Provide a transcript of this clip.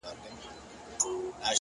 هر منزل د نوې پوهې سرچینه وي